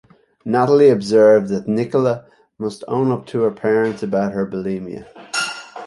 Natalie observes that Nicola must own up to her parents about her bulimia.